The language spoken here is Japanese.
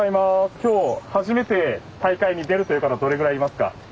今日初めて大会に出るという方どれぐらいいますか？